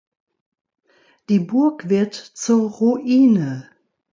Die Burg wird zur Ruine.